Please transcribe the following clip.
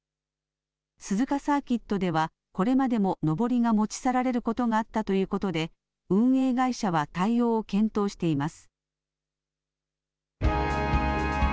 鈴鹿サーキットでは、これまでものぼりが持ち去られることがあったということで、運営会社は対応を検討しています。